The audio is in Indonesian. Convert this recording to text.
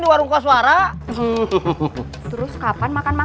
semangat punya cs kayak kamu